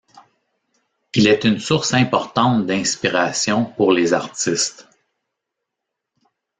Il est une source importante d'inspiration pour les artistes.